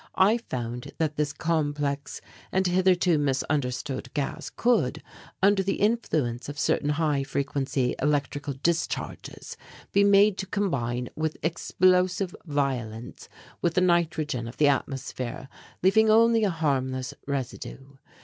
I found that this complex and hitherto misunderstood gas could, under the influence of certain high frequency electrical discharges, be made to combine with explosive violence with the nitrogen of the atmosphere, leaving only a harmless residue.